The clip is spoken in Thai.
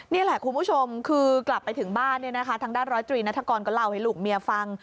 นี่แหละคุณผู้ชมคือกลับไปถึงบ้านเนี่ยนะคะทางด้านร้อยตรีนัฐกรก็เล่าให้ลูกเมียฟัง